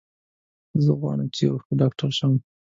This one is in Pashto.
زه غواړم چې یو ښه ډاکټر شم